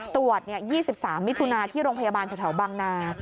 ตรวจ๒๓มิถุนาที่โรงพยาบาลแถวบางนา